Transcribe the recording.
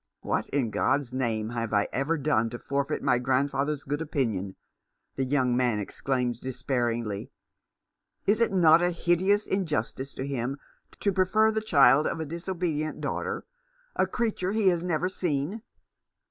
"What, in God's name, have I ever done to forfeit my grandfather's good opinion ?" the young man exclaimed despairingly. " Is it not a hideous injustice in him to prefer the child of a disobedient daughter — a creature he has never seen